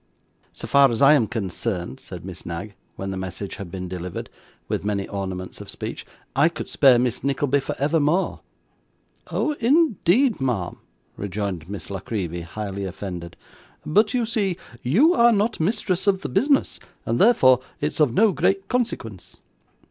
'So far as I am concerned,' said Miss Knag, when the message had been delivered, with many ornaments of speech; 'I could spare Miss Nickleby for evermore.' 'Oh, indeed, ma'am!' rejoined Miss La Creevy, highly offended. 'But, you see, you are not mistress of the business, and therefore it's of no great consequence.